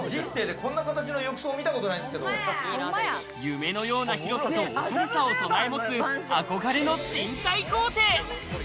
夢のような広さとおしゃれさを備え持つ憧れの賃貸豪邸。